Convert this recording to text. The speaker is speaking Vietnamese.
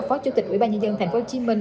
phó chủ tịch ubnd tp hcm